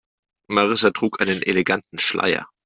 Marissa trug einen eleganten Schleier.